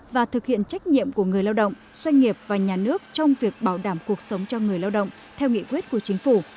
và thực hiện trách nhiệm của người lao động doanh nghiệp và nhà nước trong việc bảo đảm cuộc sống cho người lao động theo nghị quyết của chính phủ